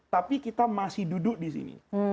tapi kita masih duduk disini